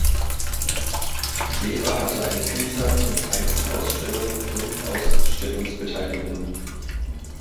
Weber hatte eine Vielzahl von Einzelausstellungen und Ausstellungsbeteiligungen.